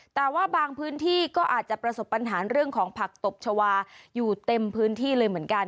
แต่ว่าบางพื้นที่ก็อาจจะประสบปัญหาเรื่องของผักตบชาวาอยู่เต็มพื้นที่เลยเหมือนกัน